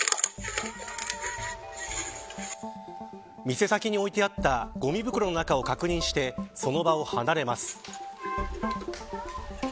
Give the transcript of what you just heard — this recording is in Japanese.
店先に置いてあったごみ袋の中を確認して、その場を離れます。